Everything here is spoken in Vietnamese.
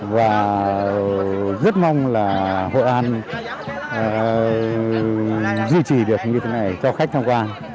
và rất mong là hội an duy trì được như thế này cho khách tham quan